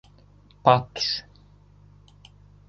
Patos